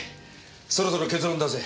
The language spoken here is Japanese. そろそろ結論出せ。